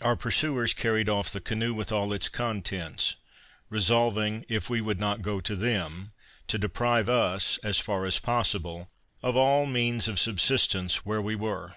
Our pursuers carried off the canoe, with all its contents, resolving, if we would not go to them, to deprive us, as far as possible, of all means of subsistence where we were.